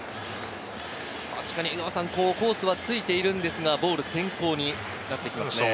コースは突いているんですが、ボール先行になってきましたね。